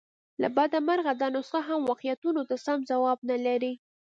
له بده مرغه دا نسخه هم واقعیتونو ته سم ځواب نه لري.